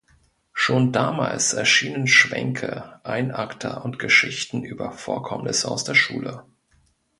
Schon damals erschienen Schwänke, Einakter und Geschichten über Vorkommnisse aus der Schule.